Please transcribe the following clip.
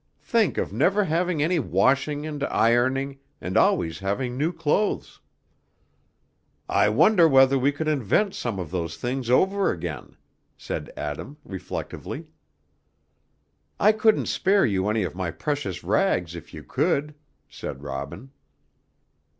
Think of never having any washing and ironing, and always having new clothes." "I wonder whether we could invent some of those things over again," said Adam, reflectively. "I couldn't spare you any of my precious rags, if you could," said Robin.